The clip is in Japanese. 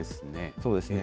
そうですね。